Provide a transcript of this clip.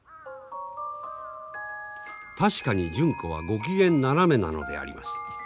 確かに純子はご機嫌斜めなのであります。